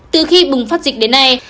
từ khi bùng phát dịch đến nay